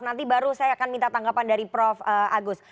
nanti baru saya akan minta tanggapan dari prof agus